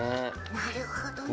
なるほどね。